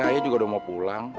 saya juga udah mau pulang